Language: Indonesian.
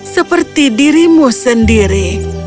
seperti dirimu sendiri